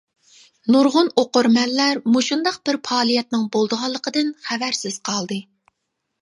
نۇرغۇن ئوقۇرمەنلەر مۇشۇنداق بىر پائالىيەتنىڭ بولىدىغانلىقىدىن خەۋەرسىز قالدى.